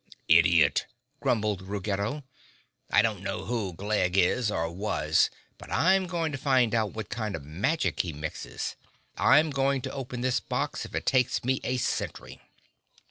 "Idiot!" grumbled Ruggedo. "I don't know who Glegg is or was, but I'm going to find out what kind of magic he mixes. I'm going to open this box if it takes me a century."